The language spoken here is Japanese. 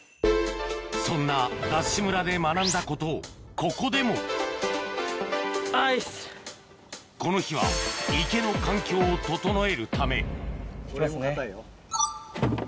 そんなＤＡＳＨ村で学んだことをここでもこの日は池の環境を整えるためはい。